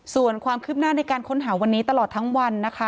ส่วนความคืบหน้าในการค้นหาวันนี้ตลอดทั้งวันนะคะ